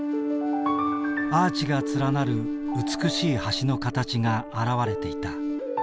アーチが連なる美しい橋の形が現れていた。